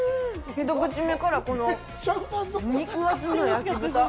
１口目から、この肉厚の焼豚。